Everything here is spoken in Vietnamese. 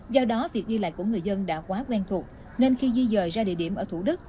do đó việc đi lại của người dân đã quá quen thuộc nên khi di dời ra địa điểm ở thủ đức